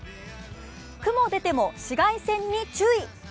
雲出ても紫外線に注意。